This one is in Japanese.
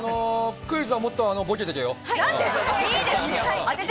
クイズは、もっとボケてけよ。